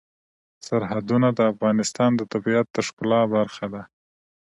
سرحدونه د افغانستان د طبیعت د ښکلا برخه ده.